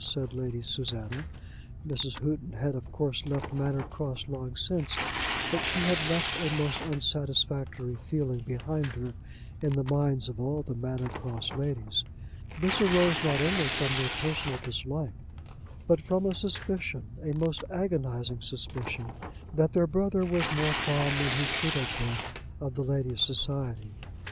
said Lady Susanna. Mrs. Houghton had of course left Manor Cross long since; but she had left a most unsatisfactory feeling behind her in the minds of all the Manor Cross ladies. This arose not only from their personal dislike, but from a suspicion, a most agonising suspicion, that their brother was more fond than he should have been of the lady's society.